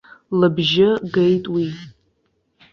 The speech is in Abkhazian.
Лыбжьы геит уи.